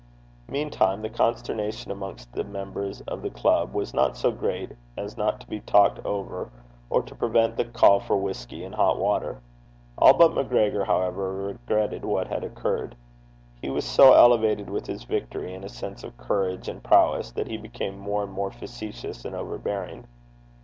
Meantime the consternation amongst the members of the club was not so great as not to be talked over, or to prevent the call for more whisky and hot water. All but MacGregor, however, regretted what had occurred. He was so elevated with his victory and a sense of courage and prowess, that he became more and more facetious and overbearing.